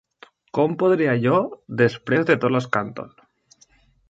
Com podria jo després de tot l'escàndol?